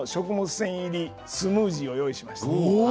繊維入りスムージーを用意しました。